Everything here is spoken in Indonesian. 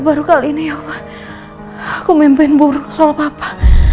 baru kali ini aku mimpiin buruk soal papa